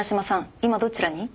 今どちらに？